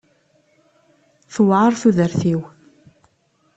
Tewɛeṛ tudert-iw.